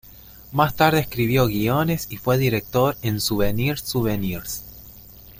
Más tarde escribió guiones y fue director en "Souvenirs, souvenirs".